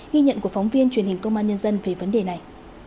ghi nhận của phóng viên truyền hình công an nhân dân về vấn đề này